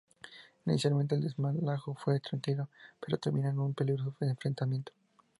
Inicialmente, el desalojo fue tranquilo, pero terminó en un peligroso enfrentamiento.